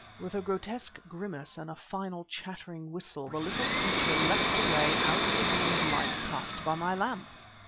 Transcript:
With a grotesque grimace and a final, chattering whistle, the little creature leapt away out of the beam of light cast by my lamp.